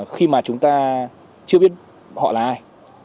khi mà chúng ta chưa biết họ là ai